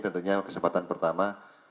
tentunya kesempatan pertama